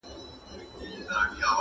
• اشرف المخلوقات -